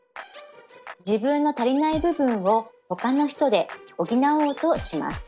自分の足りない部分をほかの人で補おうとします。